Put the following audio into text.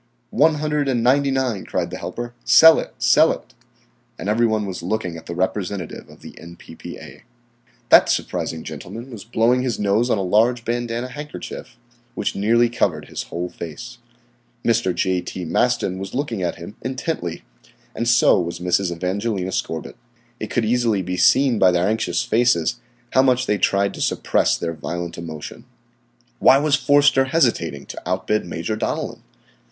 "One hundred and ninety nine," cried the helper. "Sell it! Sell it!" And every one was looking at the representative of the N.P.P.A. That surprising gentleman was blowing his nose on a large bandanna handkerchief, which nearly covered his whole face. Mr. J. T. Maston was looking at him intently, and so was Mrs. Evangelina Scorbitt. It could easily be seen by their anxious faces how much they tried to supress their violent emotion. Why was Forster hesitating to outbid Major Donellan?